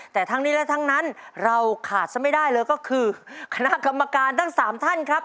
แต่ทั้งนี้และทั้งนั้นเราขาดซะไม่ได้เลยก็คือคณะกรรมการทั้ง๓ท่านครับ